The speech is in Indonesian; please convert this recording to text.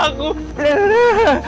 aduh mau aku